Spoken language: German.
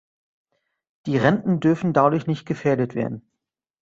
Die Renten dürfen dadurch nicht gefährdet werden.